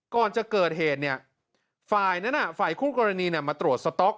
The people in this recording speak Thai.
ก่อนจะเกิดเหตุเนี่ยไฟล์คุณกรณีมาตรวจสต๊อก